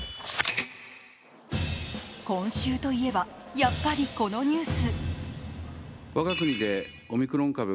今週といえば、やっぱりこのニュース。